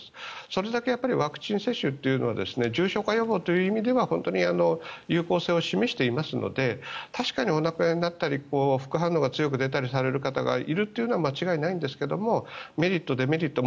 それだけワクチン接種というのは重症化予防という意味では有効性を示していますので確かにお亡くなりになったり副反応が強く出たりされたりする方がいるのは間違いないですがメリット、デメリット